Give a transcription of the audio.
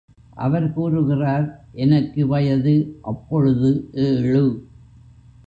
அவர் கூறுகிறார் எனக்கு வயது அப்பொழுது ஏழு.